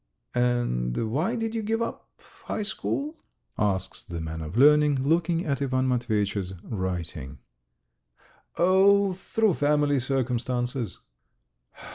"And why did you give up high school?" asks the man of learning, looking at Ivan Matveyitch's writing. "Oh, through family circumstances."